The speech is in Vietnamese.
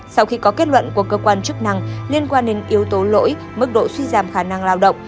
sau khi có kết luận của cơ quan chức năng liên quan đến yếu tố lỗi mức độ suy giảm khả năng lao động